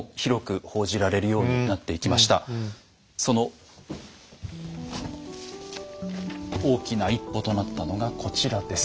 その大きな一歩となったのがこちらです。